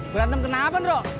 berantem kenapa nro